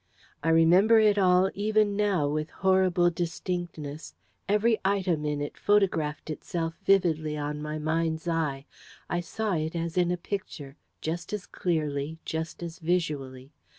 I remember it all even now with horrible distinctness. Each item in it photographed itself vividly on my mind's eye. I saw it as in a picture just as clearly, just as visually.